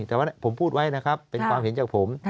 แต่ว่าผมพูดไว้นะครับเป็นความเห็นจากผม